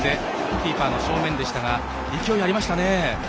キーパーの正面でしたが勢いありましたね。